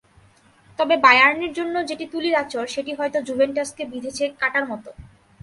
তবে বায়ার্নের জন্য যেটি তুলির আঁচড়, সেটি হয়তো জুভেন্টাসকে বিঁধেছে কাঁটার মতো।